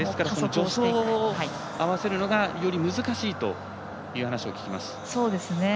助走を合わせるのが非常に難しいという話を聞きます。